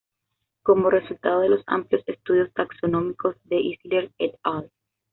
Como resultado de los amplios estudios taxonómicos de Isler "et al".